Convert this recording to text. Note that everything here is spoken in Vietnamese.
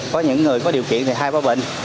có những người có điều kiện thì hai ba bình